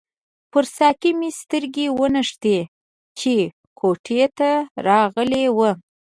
پر ساقي مې سترګې ونښتې چې کوټې ته راغلی وو.